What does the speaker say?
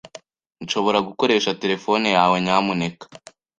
Nshobora gukoresha terefone yawe, nyamuneka?